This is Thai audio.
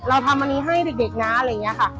เราทำอันนี้ให้เด็กน้าอะไรเงี้ยค่ะ